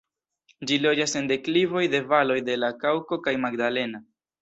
Ĝi loĝas en deklivoj de valoj de la Kaŭko kaj Magdalena.